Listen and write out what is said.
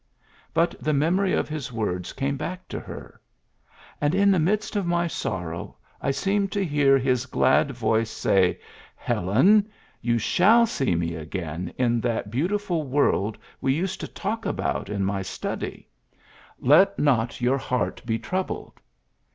But the memory of his words came back to her :^^ And in the midst of my sorrow I seem to hear his glad voice say :^ Helen, you shall see me again in that beautiful world we used to talk about in my study. Let 94 PHILLIPS BEOOKS not your heart be troubled.'